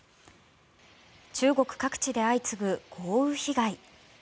中国各地で相次ぐ豪雨被害。